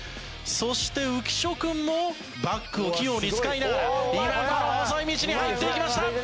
そして浮所君もバックを器用に使いながら今この細い道に入っていきました！